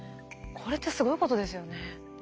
これってすごいことですよね。